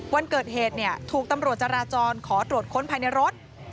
วันเกิดเหตุถูกตำรวจจราจรขอตรวจค้นภายในรถ